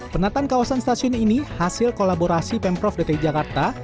penataan kawasan stasiun ini hasil kolaborasi pemprov dki jakarta